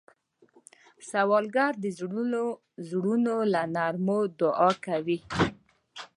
سوالګر د زړونو له نرمو دعا کوي